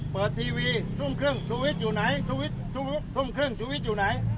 เปิดทีวีทุ่มครึ่งชูวิทย์อยู่ไหนทุ่มครึ่งชุวิตอยู่ไหน